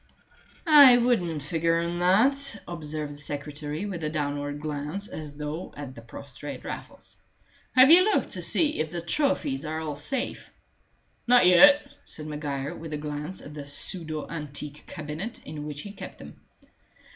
"I wouldn't figure on that," observed the secretary, with a downward glance as though at the prostrate Raffles. "Have you looked to see if the trophies are all safe?" "Not yet," said Maguire, with a glance at the pseudo antique cabinet in which he kept them.